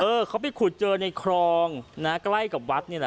เออเขาไปขุดเจอในคลองนะใกล้กับวัดนี่แหละ